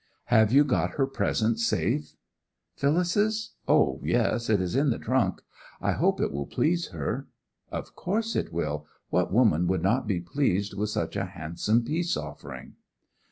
'Have you got her present safe?' 'Phyllis's? O, yes. It is in this trunk. I hope it will please her.' 'Of course it will. What woman would not be pleased with such a handsome peace offering?